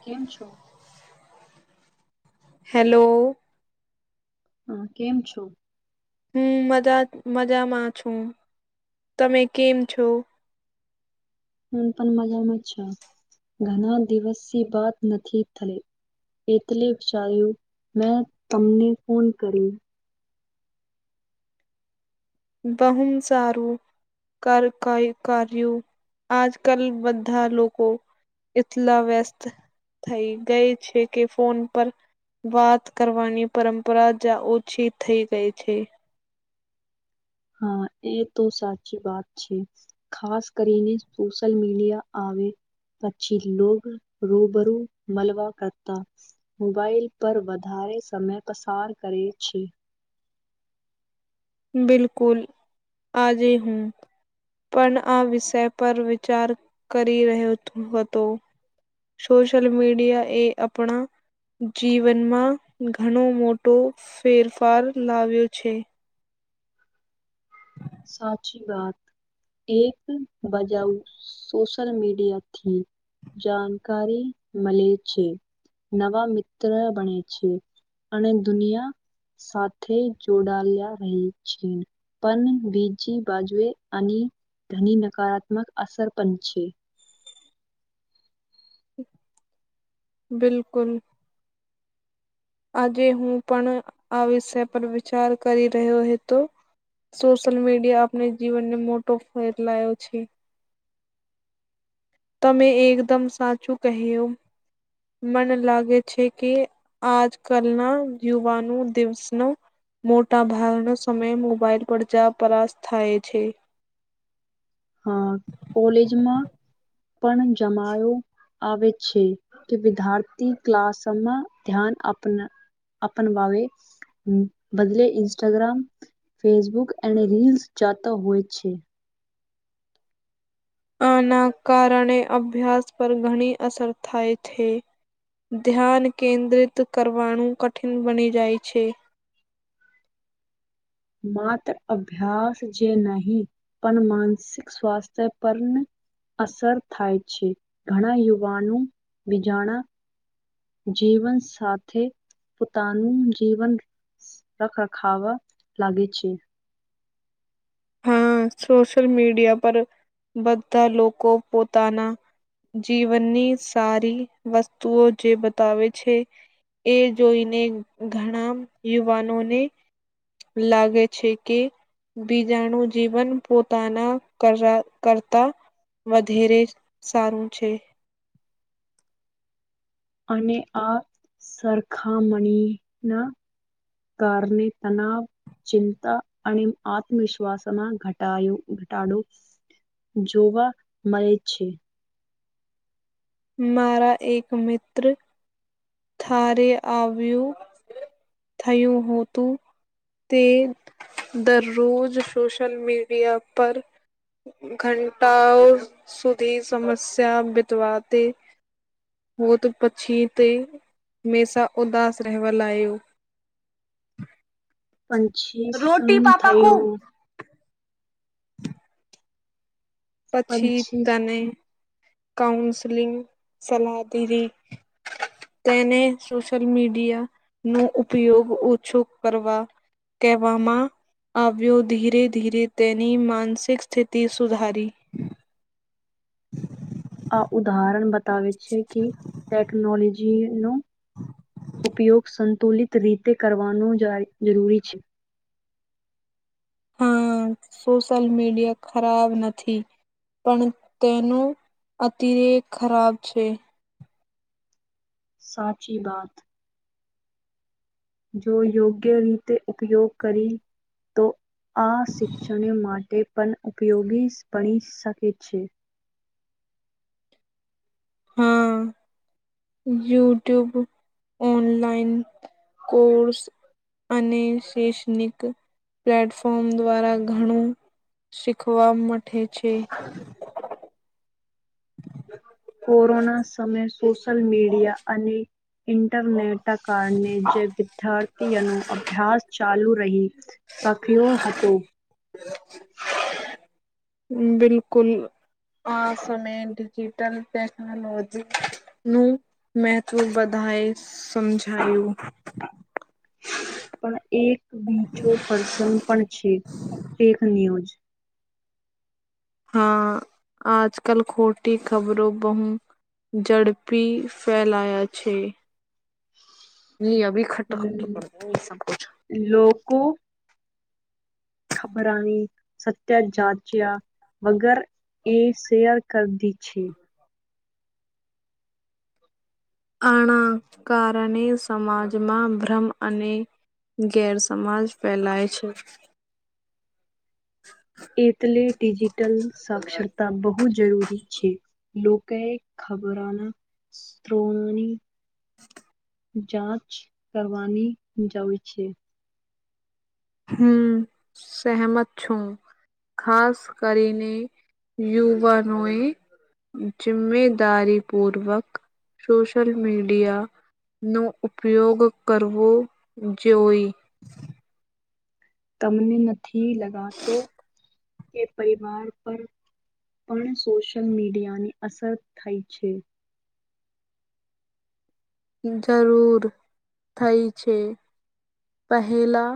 કેમ છો? હેલો હમ કેમ છો હું મજા મજામાં છું તમે કેમ છો? હ પણ મજામાં છ ઘણા દિવસ બાત નથી થલી એટલે વિચાર્યું મેં તમને ફોન કરી બહમ ચારું કાર કાર્યું આજ કલ બધા લોકો એટલા વ્યસ્ત થઈ ગઈ છે કે ફોન પર વાત કરવાની પરંપરા જ ઓછી થઈ ગઈ છે. હા એ તો સાચી વાત છે. ખાસ કરીને સોશિલ મીડિયા આવે પછી લોગ રૂબરૂ મળવા કરતા મોબાઈલ પર વધારે સમય પસાર કરે છે. બિલકુલ આજે હું પણ આ વિષય પર વિચાર કરી રહ્યો હતો સોશલ મીડિયા એ આપણા જીવનમાં ઘણો મોટો ફેરફાર લાવ્યો છે. સાચી વાત એક બજાવ સોશલ મીડિયા થી જાણકારી મળે છે. નવા મિત્ર બણે છે અને દુનિયા સાથે જોડલા રહી છે પણ બીજી બાજુએ અને ધની નકારાત્મક અસર પણ છે. બિલકુલ આજે હું પણ આ વિષય પર વિચાર કરી રહ્યો હતો સોશિયલ મીડિયા આપને જીવનને મોટો ફેલાયો છે તમે એકદમ સાચું કહ્યું મન લાગે છે કે આજ કલના યુવાનો દિવસનો મોટા ભાગનો સમયે મોબાઈલ પર જા પરાશ થાય છે. હા કોલેજમાં પણ જમાયો આવે છે કે વિદ્યાર્થી ક્લાસમાં ધ્યાન આપના અપનવાવે બદલે ઇન્સ્ટાગ્રામ ફેસબુક એને રલસ જાતા હોય છે. આના કારણે અભ્યાસ પર ઘણી અસર થાય થે. ધ્યાન કેન્દ્રિત કરવાનું કઠિન બની જાય છે. માત્ર અભ્યાસ જે નહી પણ માનસિક સ્વાસ્થ્ય પર અસર થાય છે. ઘણા યુવાનું બીજાણા જીવન સાથે પોતાનું જીવન રખરખાવા લાગી છે. હા સોશિયલ મીડિયા પર બધા લોકો પોતાના જીવનની સારી વસ્તુઓ જે બતાવે છે. એ જોઈને ઘણા યુવાનોને લાગે છે કે બીજ જાણું જીવન પોતાના કર કરતા વધેરે સારું છે. અને આ સરખામણી ના કારને તનાવ ચિંતા અને આત્મવિશ્વાસમાં ઘટાયો ઘટાડો જોવા મળે છે. મારા એક મિત્ર થારે આવ્યું થયું હોતું. તે દરરોજ સોશલ મીડિયા પર ઘંટાઓ સુધી સમસ્યા બીતવા તે હોત પછી તે મે સા ઉદસ રહેવા લાયો. પંછી સુન રોટી પાપા કો થયું? પછી પંછી તને કાઉન્સલિંગ સલાહ દીધી. તેને સોશલ મીડિયા નો ઉપયોગ ઓછો કરવા કહેવામાં આવ્યો ધીરે ધીરે તેની માનસિક સ્થિતિ સુધારી. આ ઉદાહરણ બતાવે છે કે ટેકનોલોજીનું ઉપયોગ સંતુલિત રીતે કરવાનું જરૂરી છે. સોશલ મીડિયા ખરાબ નથી. પણ તેનું અતિરે ખરાબ છે. સાચી બાત. જો યોગ્ય રીતે ઉપયોગ કરી તો આ શિક્ષણ માટે પણ ઉપયોગી ભણી શકે છે. હા યુટ્યુબ ઓનલાઇન કોર્સ અને શૈક્ષણિક પ્લેટફોર્મ દ્વારા ઘણું શીખવા મઠે છે. કોરોના સમયે સોશિલ મીડિયા અને ઇન્ટરનેટ કારણે જે વિદ્યાર્થીઓ અનુ અભ્યાસ ચાલુ રહી. સખીઓ હતો. હમ બિલકુલ. આ સમય ડિજીિટલ ટેકનોલોજી નું મહત્વ બધાએ સમજાયું. પણ એક બીચો પર્સન પણ છે. ફેક ન્યૂઝ હા આજકલ ખોટી ખબરો બહુ ઝડપી ફેલાયા છે. ની અભી ખટો ખટ કર એ સબક લોકો ખબરાની સત્ય જાચ્યા વગર એ શેયર કર દી છે. આના કારણે સમાજમાં ભ્રમ અને ગેર સમાજ ફેલાય છે એટલે ડિજિટલ સાક્ષરતા બહુ જરૂરી છે લોકોએ ખબરોના [unintelligible] જાચ કરવાની જરૂ છે હમ સહેમત છું હું ખાસ કરીને યુવાનોએ જિમેદારી પૂર્વક સોશલ મીડિયા નો ઉપયોગ કરવો જોઈ. તમને નથી લગાતો કે પરિવાર પર પણ સોશિયલ મીડિયા ની અસર થઈ છે. જરૂર થઈ છે પહેલા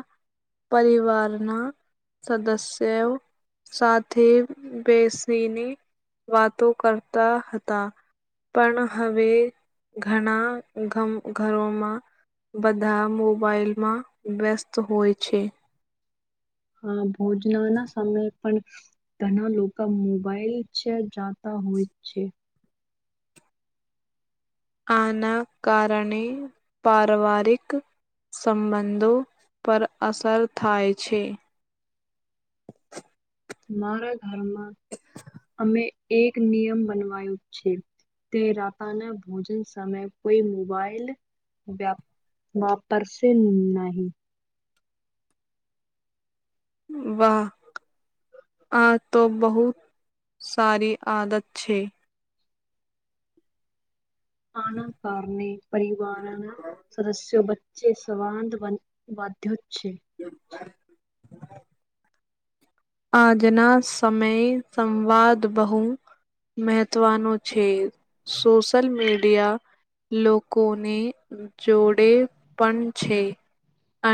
પરિવારના સદસ્ય સાથે બેસીને વાતો કરતા હતા. પણ હવે ઘણા મ ઘરોમાં બધા મોબાઈલમાં વ્યસ્ત હોય છે. હા ભોજના ના સમયે પણ ઘણા લોકા મોબાઈલ છે જાતા હોય છે. આના કારણે પારવારિક સંબંધો પર અસર થાય છે. મારા ઘરમાં અમે એક નિયમ બનવાયું છે. તે રાતાના ભોજન સમય કોઈ મોબાઈલ વ્યા વાપરસે નહી. વાહ આતો બહુત સારી આદત છે. આના કારને પરીવારન સદસ્યો જે સવાંધ વન વદ્યો જ છે. [inaudible] આજના સમયે સંવાદ બહુ મેહત્વનું છે સોશલ મીડિયા લોકોને જોડે પણ છે.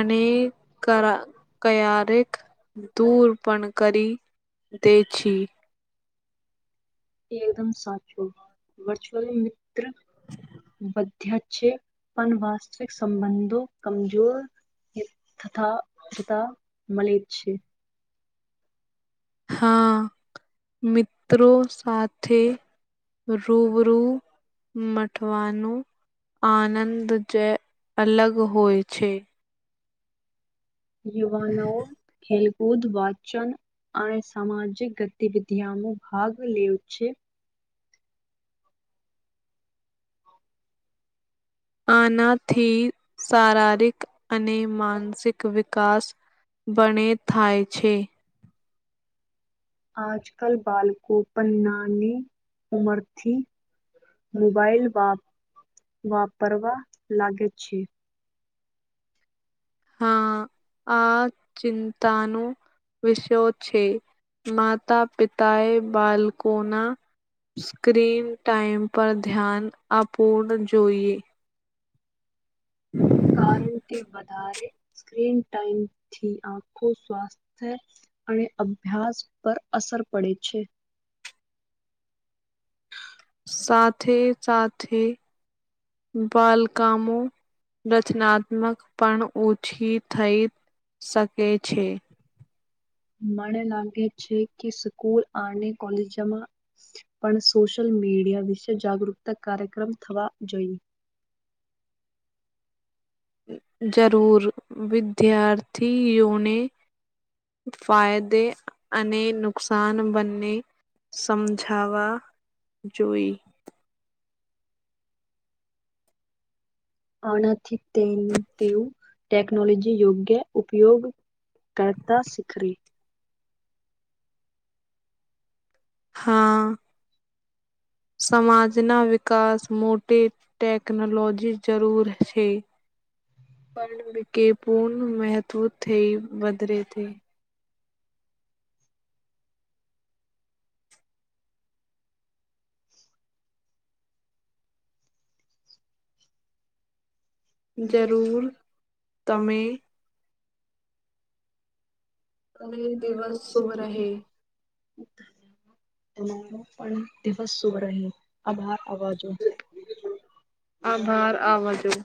ને કરા ક્યારેક દૂર પણ કરી દે છી. એ એકદમ સાચું વર્ચ્યુઅલી મિત્ર વધ્યા જ છે પણ વાસ્તવિક સંબંધો કમજોર ય થતા તથા મલેે છેે. હા મિત્રો સાથે રૂબરૂ મઠવાનું આનંદ જે અલગ હોય છે. [unintelligible] ખેલ ખુદ વાચન અને સામાજિક ગતિવિધિમાં ભાગ લેવ છે. આનાથી શારીરિક અને માનસિક વિકાસ ભણે થાય છે. આજ કલ બાળકો પન નાની ઉમરથી મોબાઈલ વાપ વાપરવા લાગે છે. હા આ ચિંતાનું. વિષયો છે માતા પિતા એ બાળકોના સ્ક્રીન ટાાઈમ પર ધ્યાન અપૂર્ણ જોઈએ. કારણ કે વધારે સ્ક્રીન ટાઈમથી આખું સ્વાસ્થ્ય અને અભ્યાસ પર અસર પડે છે. સાથે સાથે [inaudible] કામો રચનાત્મક પણ ઓછી થઈ શકે છે. મને લાગે છે કે સ્કૂલ અને કોલેજમાં પણ સોશિયલ મીડિયા વિશે જાગૃતતા કાર્યક્રમ થવા જોઈએ. જરૂર વિદ્યાર્થીઓને ફાયદે અને નુકસાન બંને સમજાવા જોઈ. આનાથી તેમ તેવું ટેક્નોલોજી યોગ્ય ઉપયોગ કરતા શીખવે. હા. સમાજના વિકાસ મોટે ટેકનોલોજી જરૂર છે. પર વિકે પૂર્ણ મહત્વ થઈ વધરે [inaudible] જરૂર તમે તમે દિવસ સુભ [inaudible] તમારો પણ દિવસ સુભ રહે. આભાર અવાજો. આભાર આવાજો